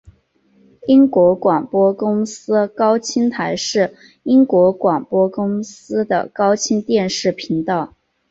英国广播公司高清台是英国广播公司的高清电视频道。